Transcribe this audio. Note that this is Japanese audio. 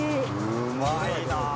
うまいなあ。